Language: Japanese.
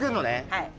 はい。